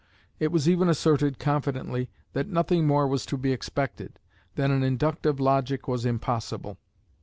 It was even asserted confidently, that nothing more was to be expected, that an inductive logic was impossible.